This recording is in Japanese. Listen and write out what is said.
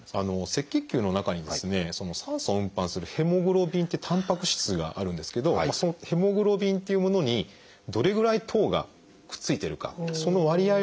赤血球の中に酸素を運搬するヘモグロビンってたんぱく質があるんですけどそのヘモグロビンっていうものにどれぐらい糖がくっついてるかその割合を見る。